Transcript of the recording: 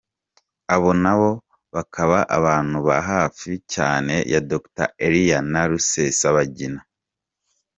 Abo nabo bakaba abantu bahafi cyane ya Dr. Eliel na Rusesabagina.